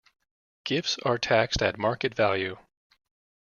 Gifts are taxed at market value.